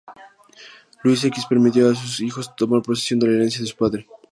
Luis X permitió a sus hijos tomar posesión de la herencia de su padre.